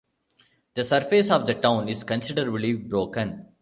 The surface of the town is considerably broken.